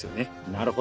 なるほど。